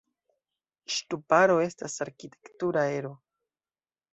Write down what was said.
Ŝtuparo estas arkitektura ero.